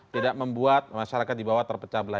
tidak membuat masyarakat di bawah terpecah belah